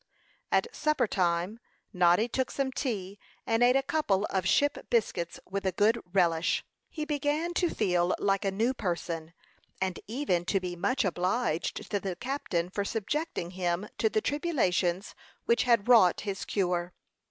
At supper time Noddy took some tea and ate a couple of ship biscuits with a good relish. He began to feel like a new person, and even to be much obliged to the captain for subjecting him to the tribulations which had wrought his cure.